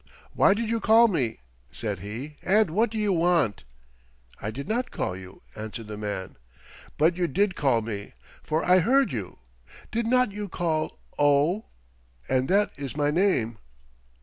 "Why did you call me," said he, "and what do you want?" "I did not call you," answered the man. "But you did call me, for I heard you. Did not you call 'Oh'? And that is my name."